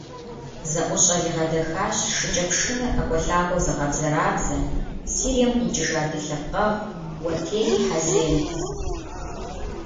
ЗэӀущӀэр игъэдэхащ шыкӀэпшынэр ӀэкӀуэлъакӀуэу зыгъэбзэрабзэ, Сирием къикӏыжа ди лъэпкъэгъу - Уэтей Хьэзем.